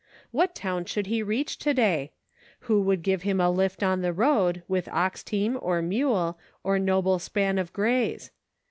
What town should he reach to day .' Who would give him a lift on the road, with ox team, or mule, or noble span of grays